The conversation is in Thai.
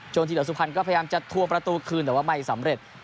ทีเหลือสุพรรณก็พยายามจะทวงประตูคืนแต่ว่าไม่สำเร็จ